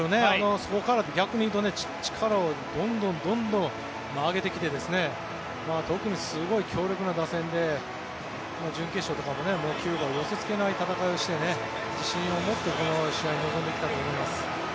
そこから、逆に言うと力をどんどん上げてきて特にすごい強力な打線で準決勝とかもキューバを寄せつけない戦いをして自信を持って、この試合に臨んできたと思います。